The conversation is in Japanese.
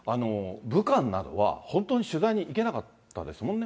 武漢などは本当に取材に行けなかったですもんね。